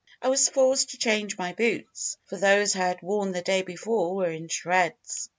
I was forced to change my boots, for those I had worn the day before were in shreds.